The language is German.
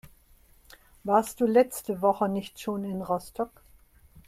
Warst du letzte Woche nicht schon in Rostock?